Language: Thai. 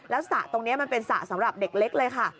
แล้วสระตรงนี้มันเป็นสระสำหรับเด็กเล็กเลยค่ะ